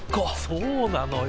そうなのよ。